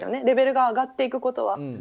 レベルが上がっていくことは。